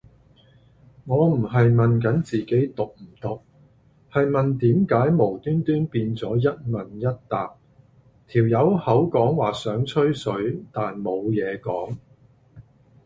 我唔係問緊自己毒唔毒，係問點解無端端變咗一問一答，條友口講話想吹水但冇嘢講